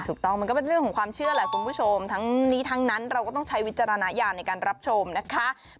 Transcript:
ถูกต้องมันก็เป็นเรื่องของความเชื่อแหละคุณผู้ชมทั้งนี้ทั้งนั้นเราก็ต้องใช้วิจารณญาณในการรับชมนะคะ